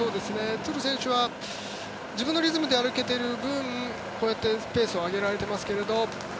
トゥル選手は自分のリズムで歩けている分こうやってペースを上げられていますけど